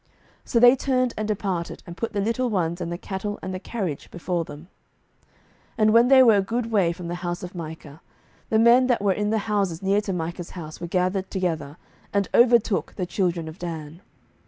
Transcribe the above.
07:018:021 So they turned and departed, and put the little ones and the cattle and the carriage before them. 07:018:022 And when they were a good way from the house of Micah, the men that were in the houses near to Micah's house were gathered together, and overtook the children of Dan.